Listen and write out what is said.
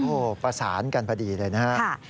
โอ้โหประสานกันพอดีเลยนะครับ